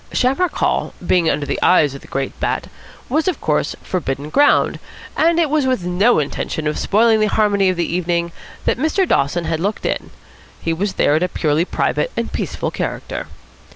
Shamrock Hall, being under the eyes of the great Bat, was, of course, forbidden ground; and it was with no intention of spoiling the harmony of the evening that Mr. Dawson had looked in. He was there in a purely private and peaceful character.